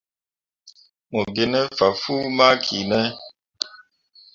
Mo gi ne fah fuu ma ki ne.